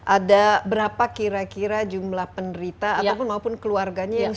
ada berapa kira kira jumlah penderita ataupun maupun keluarganya yang sudah